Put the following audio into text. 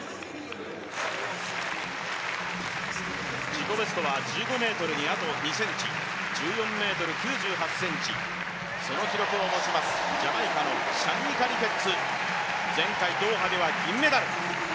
自己ベストは１５ｍにあと２ｃｍ１４ｍ９８ｃｍ、その記録を持ちます、ジャマイカのシャニーカ・リケッツ前回ドーハでは銀メダル。